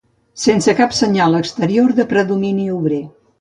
Sense cap senyal exterior de predomini obrer